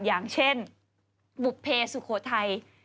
อย่างเช่นบุภเพสุโขทัย